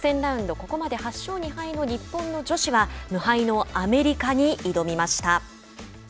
ここまで８勝２敗の日本の女子は無敗のアメリカに挑みました。